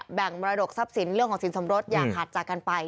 อย่างบรรดกศัพท์สินเรื่องของสินสมรสอย่างหัดจากกันไป